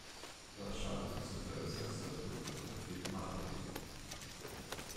Glashan has a very successful competitive math team.